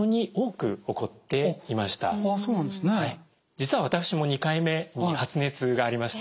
実は私も２回目に発熱がありました。